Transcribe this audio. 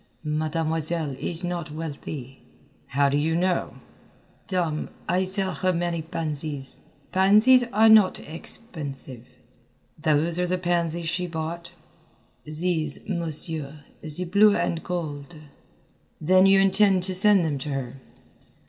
"Mademoiselle is not wealthy." "How do you know?" "Dame, I sell her many pansies; pansies are not expensive." "Those are the pansies she bought?" "These, Monsieur, the blue and gold." "Then you intend to send them to her?"